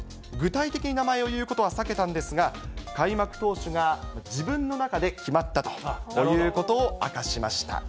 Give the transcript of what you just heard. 具体的に名前を言うことは避けたんですが、開幕投手が自分の中で決まったということを明かしました。